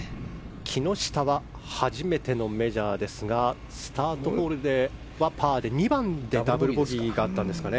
木下は初めてのメジャーですがスタートホールはパーで２番でダブルボギーがあったんですかね。